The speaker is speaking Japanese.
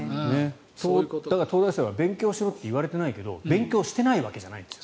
だから、東大生は勉強しろって言われてないけど勉強してないわけじゃないんです。